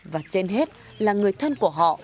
và trên hết là người thân của họ